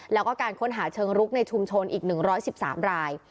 แล้วก็การค้นหาเชิงรุกในชุมชนอีก๑๑๓ราย